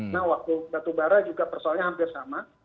nah waktu batubara juga persoalannya hampir sama